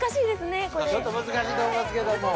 ちょっと難しいと思いますけども。